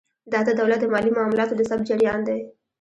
دا د دولت د مالي معاملاتو د ثبت جریان دی.